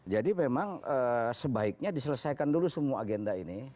jadi memang sebaiknya diselesaikan dulu semua agenda ini